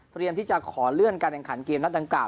เตรียมที่จะขอเลื่อนการแข่งขันเกมแน็ตดังกราบ